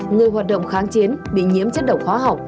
người hoạt động kháng chiến bị nhiễm chất độc hóa học